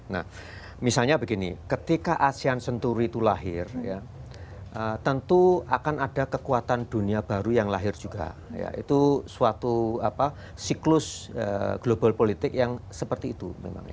nah misalnya begini ketika asean senturi itu lahir tentu akan ada kekuatan dunia baru yang lahir juga ya itu suatu siklus global politik yang seperti itu